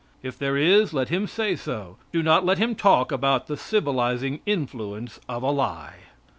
If there is, let him say so. Do not let him talk about the civilizing influence of a lie.